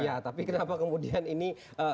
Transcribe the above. ya tapi kenapa kemudian ini